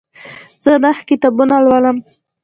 زه نهه کتابونه لولم.